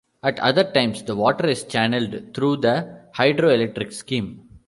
At other times the water is channeled through the hydroelectric scheme.